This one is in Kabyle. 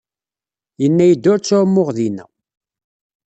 Yenna-iyi-d ur ttɛumuɣ dinna.